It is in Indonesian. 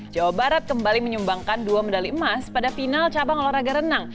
jawa barat kembali menyumbangkan dua medali emas pada final cabang olahraga renang